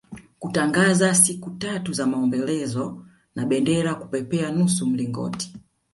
kutangaza siku tatu za maombolezo na bendera kupepea nusu mlingoti